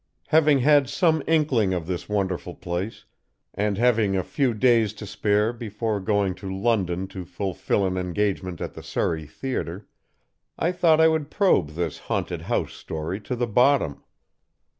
"Having had some inkling of this wonderful place, and having a few days to spare before going to London to fulfil an engagement at the Surry Theatre, I thought I would probe this haunted house story to the bottom.